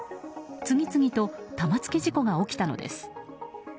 次々と玉突き事故が起きたのです。